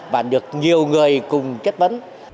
và được nhiều người cùng chất phấn